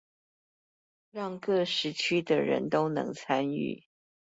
讓各時區的人都能參與